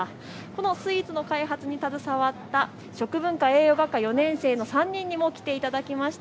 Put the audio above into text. スイーツの開発に携わった食文化栄養学科４年生の３人に来ていただきました。